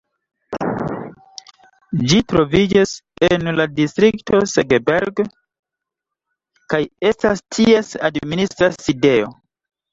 Ĝi troviĝas en la distrikto Segeberg, kaj estas ties administra sidejo.